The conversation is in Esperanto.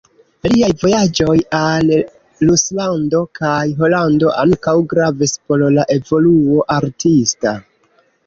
Liaj vojaĝoj al Ruslando kaj Holando ankaŭ gravis por la evoluo artista.